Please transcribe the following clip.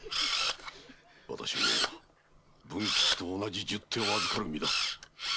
私も文吉と同じ十手を預かる身だ。